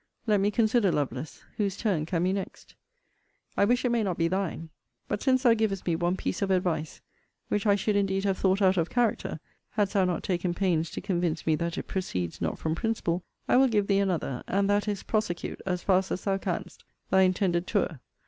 Let me consider, Lovelace Whose turn can be next? I wish it may not be thine. But since thou givest me one piece of advice, (which I should indeed have thought out of character, hadst thou not taken pains to convince me that it proceeds not from principle,) I will give thee another: and that is, prosecute, as fast as thou canst, thy intended tour.